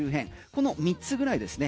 この三つぐらいですね。